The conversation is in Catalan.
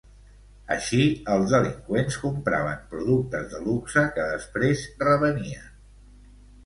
Així, els delinqüents compraven productes de luxe que després revenien.